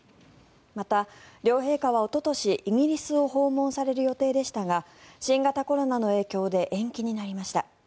また、両陛下がおととしイギリスを訪問される予定でしたが新型コロナの影響で延期になりました。